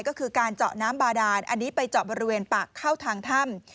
ก็คือการเจาะน้ำบาดานอันนี้ไปเจาะบริเวณปากเข้าทางถ้ำ